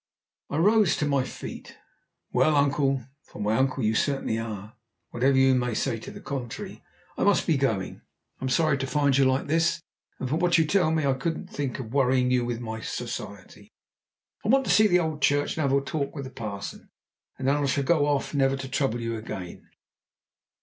I rose to my feet. "Well, uncle for my uncle you certainly are, whatever you may say to the contrary I must be going. I'm sorry to find you like this, and from what you tell me I couldn't think of worrying you with my society! I want to see the old church and have a talk with the parson, and then I shall go off never to trouble you again."